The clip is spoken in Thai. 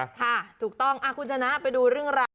ถูกต้องคุณชนะไปดูเรื่องราว